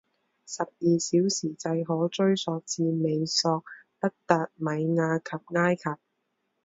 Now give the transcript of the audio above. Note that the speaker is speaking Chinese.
十二小时制可追溯至美索不达米亚及埃及。